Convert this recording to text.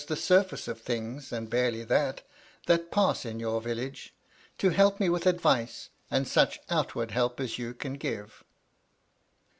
233 the surface of things, and barely that, that pass in your village — to help me with advice, and such out ward help as yau can give."